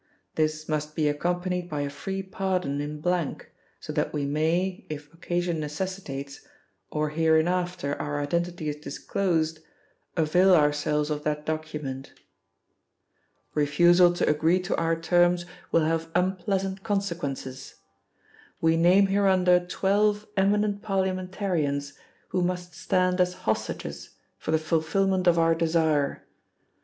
This must be accompanied by a free pardon in blank, so that We may, if occasion necessitates, or hereinafter Our identity is disclosed, avail Ourselves of that document.' Refusal to agree to Our terms will have unpleasant consequences. We name hereunder twelve eminent Parliamentarians, who must stand as hostages for the fulfilment of Our desire.